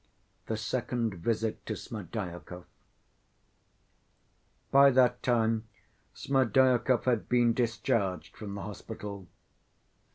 The Second Visit To Smerdyakov By that time Smerdyakov had been discharged from the hospital.